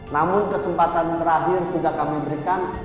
namun kesempatan terakhir sudah kami berikan